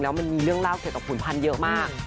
แล้วมันมีเรื่องเล่าเกี่ยวกับขุนพันธ์เยอะมาก